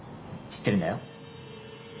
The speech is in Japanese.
知ってるんだよ。